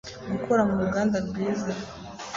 gukora mu ruganda rwiza